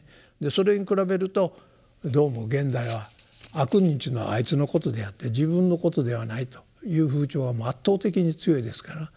それに比べるとどうも現代は「悪人」というのはあいつのことであって自分のことではないという風潮は圧倒的に強いですから。